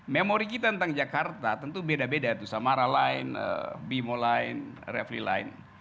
memori kita tentang jakarta tentu beda beda itu samara lain bimo line refli lain